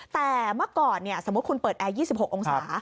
แต่เมื่อก่อนสมมุติคุณเปิดแอร์๒๖องศา